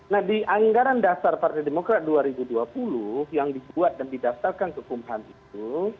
nah di anggaran dasar partai demokrat dua ribu dua puluh yang dibuat dan didaftarkan ke kumham itu